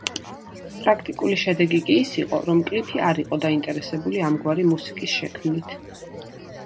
პრაქტიკული შედეგი კი ის იყო, რომ კლიფი არ იყო დაინტერესებული ამგვარი მუსიკის შექმნით.